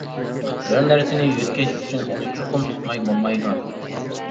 بىر نەرسىنى يۆتكەش ئۈچۈن ئۇنى چوقۇم تۇتماي بولمايدۇ.